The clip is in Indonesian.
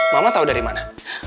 mama tau dari mana